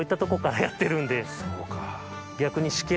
そうか。